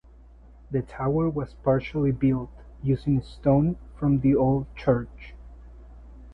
The tower was partially built using stone from the old church.